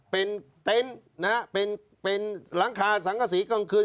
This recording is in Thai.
เป็นเต้นเป็นหลังคาสังขสีกลางคืน